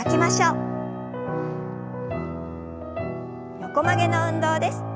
横曲げの運動です。